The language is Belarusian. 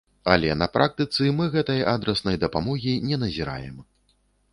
Але на практыцы мы гэтай адраснай дапамогі не назіраем.